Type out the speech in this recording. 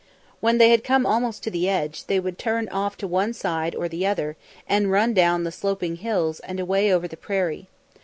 When they had come almost to the edge, they would turn off to one side or the other and run down the sloping hills and away over the prairie.